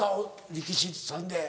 力士さんで。